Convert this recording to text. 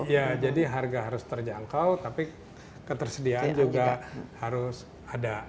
ya jadi harga harus terjangkau tapi ketersediaan juga harus ada